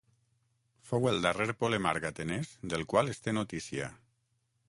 Fou el darrer polemarc atenès del qual es té notícia.